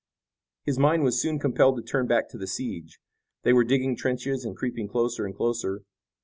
His mind was soon compelled to turn back to the siege. They were digging trenches and creeping closer and closer.